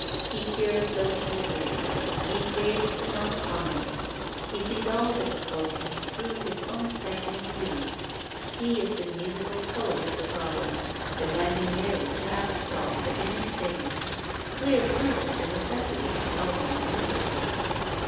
He cures those miseries; he creates the novel harmony. He sees all difficulties through his own sanguine hues. He is the musical poet of the problem, demanding merely to have it solved that he may sing: clear proof of the necessity for solving it immediately.